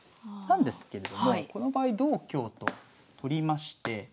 なんですけれどもこの場合同香と取りまして。